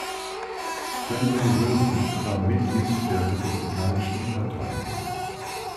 Stanley Wilson war Mitglied der Republikanischen Partei.